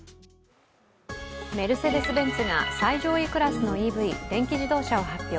メルセデス・ベンツが最上位クラスのＥＶ＝電気自動車を発表。